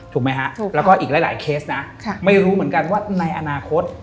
ถูกไหมฮะถูกแล้วก็อีกหลายเคสนะไม่รู้เหมือนกันว่าในอนาคต